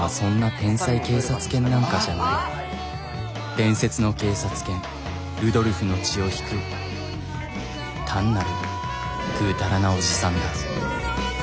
伝説の警察犬ルドルフの血を引く単なるぐうたらなおじさんだ。